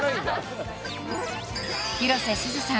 広瀬すずさん